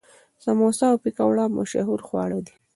سموسه او پکوړه مشهور خواړه دي.